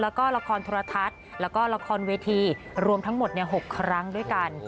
แล้วก็ละครโทรทัศน์แล้วก็ละครเวทีรวมทั้งหมด๖ครั้งด้วยกัน